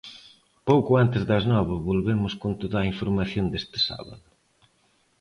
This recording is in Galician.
Pouco antes das nove volvemos con toda a información deste sábado.